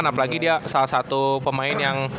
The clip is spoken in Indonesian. apalagi dia salah satu pemain yang